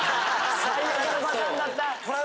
最悪のパターンだった。